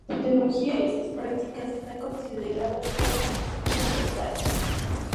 En resumen, su teología y sus prácticas están consideradas como no-sectarias.